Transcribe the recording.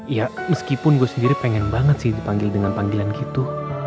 ya meskipun gue sendiri pengen banget sih dipanggil dengan panggilan gitu